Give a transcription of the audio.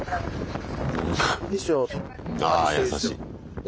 あ優しい。